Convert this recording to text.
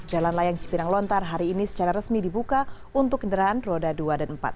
jalan layang cipinang lontar hari ini secara resmi dibuka untuk kendaraan roda dua dan empat